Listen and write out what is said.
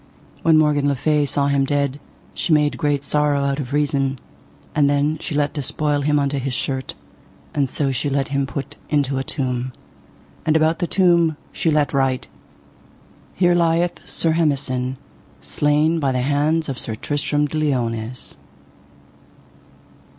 When Morgan le Fay saw him dead she made great sorrow out of reason; and then she let despoil him unto his shirt, and so she let him put into a tomb. And about the tomb she let write: Here lieth Sir Hemison, slain by the hands of Sir Tristram de Liones.